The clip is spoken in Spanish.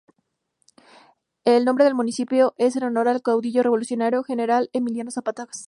El nombre del municipio es en honor al caudillo revolucionario, general Emiliano Zapata Salazar.